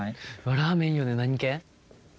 ラーメンいいよね何系？